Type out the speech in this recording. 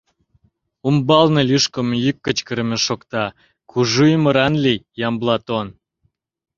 Умбалне лӱшкымӧ йӱк, кычкырыме шокта: «Кужу ӱмыран лий, Ямблат он!»